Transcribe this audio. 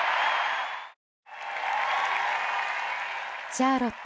シャーロット